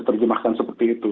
untuk terjemahkan seperti itu